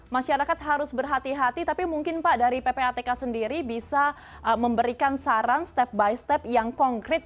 masyarakat harus berhati hati tapi mungkin pak dari ppatk sendiri bisa memberikan saran step by step yang konkret